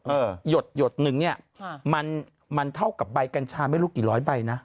เออยดหยดนึงเนี้ยอ่ามันมันเท่ากับใบกันชามไม่รู้กี่ร้อยใบ